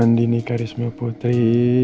andi nih karisma putri